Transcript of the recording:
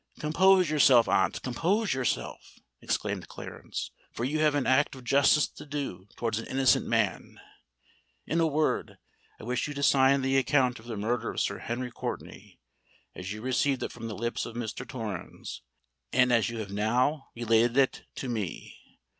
"Compose yourself, aunt—compose yourself!" exclaimed Clarence; "for you have an act of justice to do towards an innocent man. In a word, I wish you to sign the account of the murder of Sir Henry Courtenay, as you received it from the lips of Mr. Torrens, and as you have now related it to me.